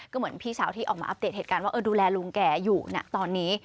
ก็เหมือนพี่สาวที่ออกมาอัปเดตเหตุการณ์ว่าดูแลลุงแกอยู่นะตอนนี้